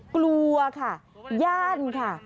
กลัวค่ะย่านค่ะ